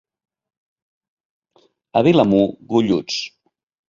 A Vilamur, golluts.